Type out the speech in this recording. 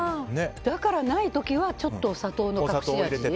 だからない時はちょっとお砂糖の隠し味。